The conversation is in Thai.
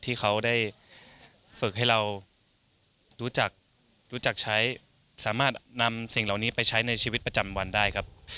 ที่เขาได้ฝึกให้เรารู้จักรู้จักใช้สามารถนำสิ่งเหล่านี้ไปใช้ในชีวิตประจำวันได้ครับ